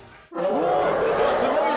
うわっすごいよ！